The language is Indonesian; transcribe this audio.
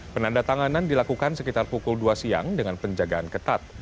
penandatanganan dilakukan sekitar pukul dua siang dengan penjagaan ketat